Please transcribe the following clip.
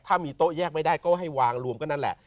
ถ้ามีโต๊ะแยกไม่ได้ก็ให้วางรวมก็นั่นแหละ